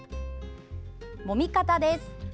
もみ方です。